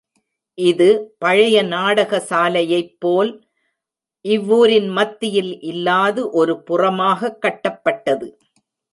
இது பழைய நாடக சாலையைப் போல் இவ்வூரின் மத்தியில் இல்லாது ஒரு புறமாகக் கட்டப்பட்டது.